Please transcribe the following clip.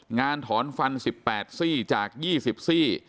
งานถอนฟันสิบแปดซี่จากยี่สิบซี่